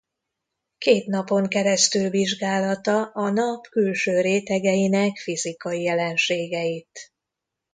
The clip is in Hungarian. Két napon keresztül vizsgálata a Nap külső rétegeinek fizikai jelenségeit.